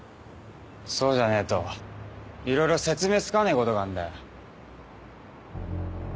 そうじゃねえと色々説明つかねえことがあんだよ。